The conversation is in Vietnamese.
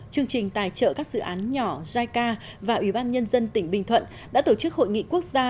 chương trình tài trợ các dự án nhỏ jica và ủy ban nhân dân tỉnh bình thuận đã tổ chức hội nghị quốc gia